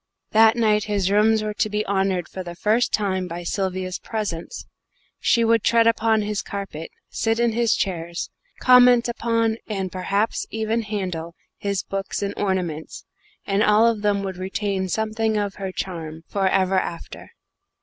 That night his rooms were to be honoured for the first time by Sylvia's presence. She would tread upon his carpet, sit in his chairs, comment upon, and perhaps even handle, his books and ornaments and all of them would retain something of her charm for ever after.